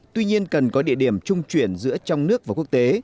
tuy nhiên cần có địa điểm trung chuyển giữa trong nước và quốc tế